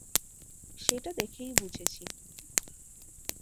সেটা দেখেই বুঝেছি।